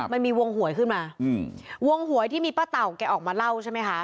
มันมีวงหวยขึ้นมาวงหวยที่มีป้าเต่าแกออกมาเล่าใช่ไหมคะ